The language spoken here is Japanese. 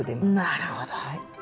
なるほど。